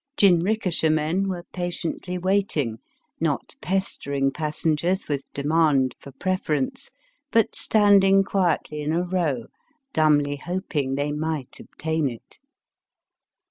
Jinrikisha men were patiently wait ing, not pestering passengers with demand for preference, but standing quietly in a row, dumbly hoping they might obtain it.